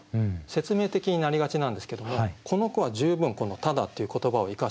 説明的になりがちなんですけどもこの句は十分この「ただ」っていう言葉を生かしている。